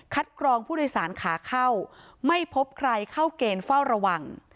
กรองผู้โดยสารขาเข้าไม่พบใครเข้าเกณฑ์เฝ้าระวัง